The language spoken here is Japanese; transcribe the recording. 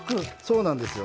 そうなんですよ。